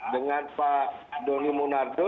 dengan pak doni monardo